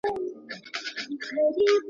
خپل قسمت یمه راوړی زه د خپل پانوس په نام یم